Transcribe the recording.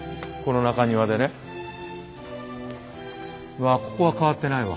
うわここは変わってないわ。